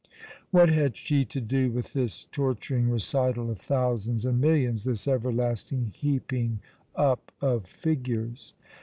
What had she to do with this torturing recital of thousands and millions, this everlasting heaping up of figures